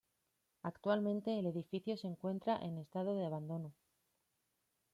Actualmente el edificio se encuentra en estado de abandono.